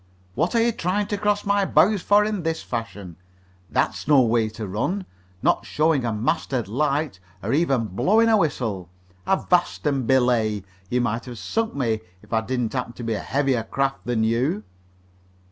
"What are you trying to cross my bows for in this fashion? That's no way to run, not showing a masthead light or even blowing a whistle. Avast and belay! You might have sunk me if I didn't happen to be a heavier craft than you."